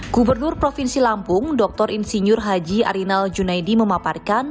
gubernur provinsi lampung dr insinyur haji arinal junaidi memaparkan